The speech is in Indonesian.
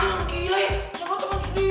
kok kabur sih